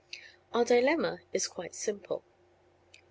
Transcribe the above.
Our dilemma is quite simple.